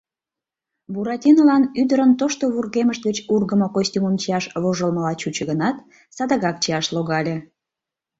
Буратинолан ӱдырын тошто вургемышт гыч ургымо костюмым чияш вожылмыла чучо гынат, садыгак чияш логале.